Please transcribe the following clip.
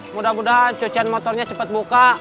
mudah mudahan cucian motornya cepat buka